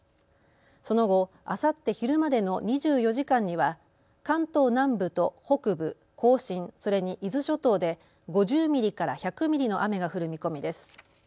その後、あさって昼までの２４時間には関東南部と北部、甲信、それに伊豆諸島で５０ミリから１００ミリの雨が降る見込みです。